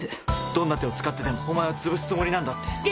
どんな手を使ってでもお前を潰すつもりなんだって。